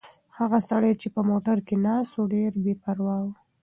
هغه سړی چې په موټر کې ناست و ډېر بې پروا و.